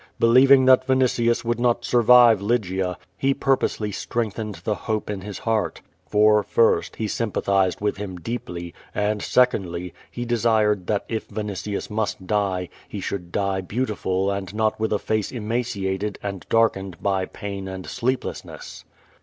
Believing that Vinitius would not survive Lygia, he purposely strengthened the hope in his 394 <?^^ VADI8. heart. For, first, he sympathized with him deeply, and, sec ondly, he desired that if Vinitius must die, he should die beautiful and not with a face emaciated, and darkened by pain and sleeplessness.